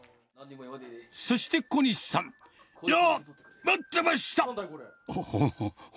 そして小西さん、よっ、待ってました！